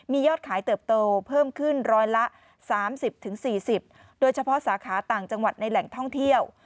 มียอดขายเติบโตเพิ่มขึ้นร้อยละ๓๐๔๐โดยเฉพาะสาขาต่างจังหวัดในแหล่งท่องเที่ยว